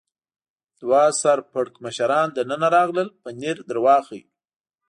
دوه سر پړکمشران دننه راغلل، پنیر در واخلئ.